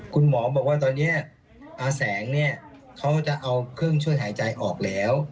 คุณหมอบอกว่าตอนนี้อาแสงเนี่ยเขาจะเอาเครื่องช่วยหายใจออกแล้ว